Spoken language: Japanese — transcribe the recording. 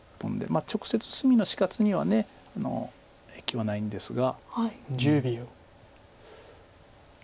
直接隅の死活には影響はないんですが。